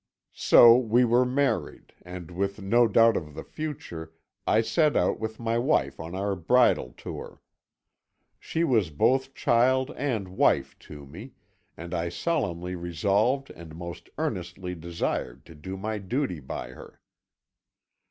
So we were married, and with no doubt of the future I set out with my wife on our bridal tour. She was both child and wife to me, and I solemnly resolved and most earnestly desired to do my duty by her.